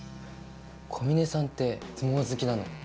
小峰さんって相撲好きなの？